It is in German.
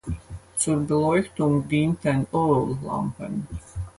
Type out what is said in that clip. Zur Beleuchtung dienten Öllampen.